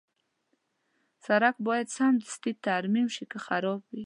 سړک باید سمدستي ترمیم شي که خراب وي.